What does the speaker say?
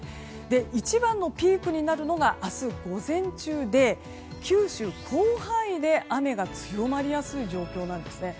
一番のピークになるのが明日午前中で九州広範囲で雨が強まりやすい状況なんですね。